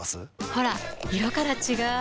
ほら色から違う！